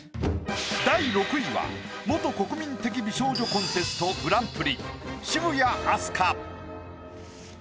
第６位は元国民的美少女コンテストグランプリ渋谷飛鳥。